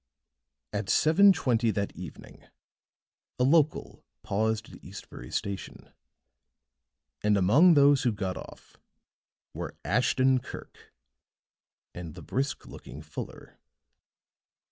At seven twenty that evening a local paused at Eastbury Station; and among those who got off were Ashton Kirk, and the brisk looking Fuller.